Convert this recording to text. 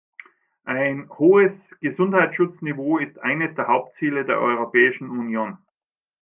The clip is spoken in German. Ein hohes Gesundheitsschutzniveau ist eines der Hauptziele der Europäischen Union.